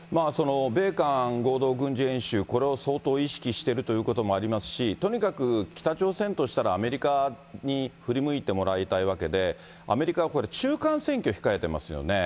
米韓合同軍事演習、これを相当意識してるということもありますし、とにかく北朝鮮としたら、アメリカに振り向いてもらいたいわけで、アメリカは中間選挙控えてますよね。